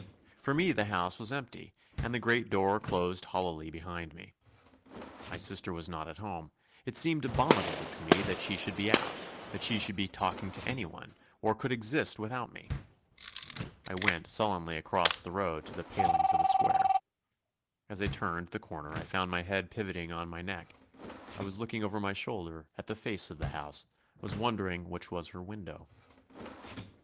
For me the house was empty and the great door closed hollowly behind me. My sister was not at home. It seemed abominable to me that she should be out; that she could be talking to anyone, or could exist without me. I went sullenly across the road to the palings of the square. As I turned the corner I found my head pivoting on my neck. I was looking over my shoulder at the face of the house, was wondering which was her window.